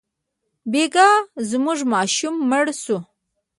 بېګا زموږ ماشوم مړ شو.